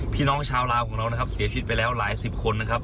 พี่น้องชาวลาวของเรานะครับเสียชีวิตไปแล้วหลายสิบคนนะครับ